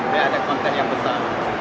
saya ada kontes yang besar